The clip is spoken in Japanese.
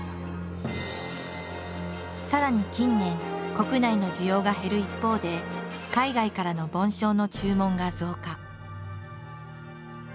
さらに近年国内の需要が減る一方で海外からの梵鐘の注文が増加。